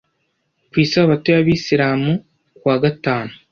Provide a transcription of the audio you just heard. Ku isabato y’Abisilamu (kuwa gatanu),